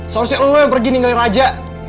seharusnya lo yang pergi ninggalin raja